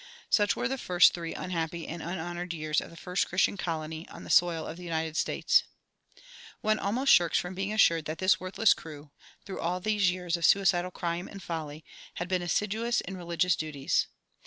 Such were the first three unhappy and unhonored years of the first Christian colony on the soil of the United States. One almost shrinks from being assured that this worthless crew, through all these years of suicidal crime and folly, had been assiduous in religious duties.